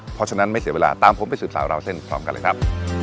เพราะฉะนั้นไม่เสียเวลาตามผมไปสืบสาวราวเส้นพร้อมกันเลยครับ